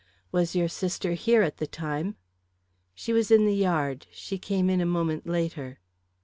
"Was your sister here at the time?" "She was in the yard she came in a moment later."